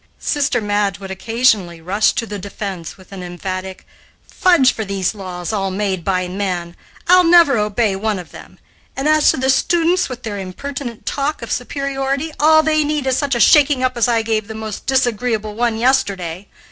Sister Madge would occasionally rush to the defense with an emphatic "Fudge for these laws, all made by men! I'll never obey one of them. And as to the students with their impertinent talk of superiority, all they need is such a shaking up as I gave the most disagreeable one yesterday.